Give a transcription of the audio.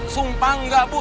sumpah enggak bu